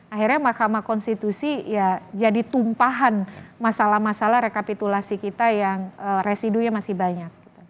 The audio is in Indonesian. akhirnya mahkamah konstitusi ya jadi tumpahan masalah masalah rekapitulasi kita yang residunya masih banyak